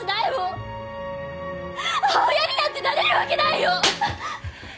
母親になんてなれるわけないよ！